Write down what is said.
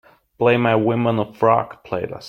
Play my Women of Rock playlist.